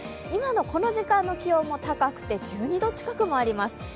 今のこの時間の気温も高くて、１２度近くもあります。